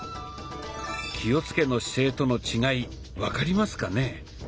「気をつけの姿勢」との違い分かりますかね？